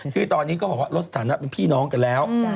คือตอนนี้ก็บอกว่าลดสถานะเป็นพี่น้องกันแล้ว